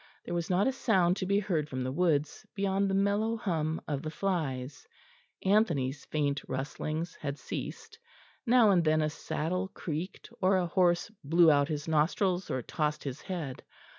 There was not a sound to be heard from the woods, beyond the mellow hum of the flies; Anthony's faint rustlings had ceased; now and then a saddle creaked, or a horse blew out his nostrils or tossed his head.